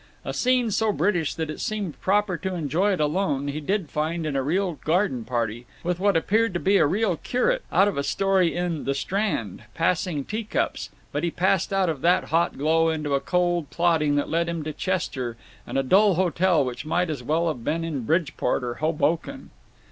A scene so British that it seemed proper to enjoy it alone he did find in a real garden party, with what appeared to be a real curate, out of a story in The Strand, passing teacups; but he passed out of that hot glow into a cold plodding that led him to Chester and a dull hotel which might as well have been in Bridgeport or Hoboken.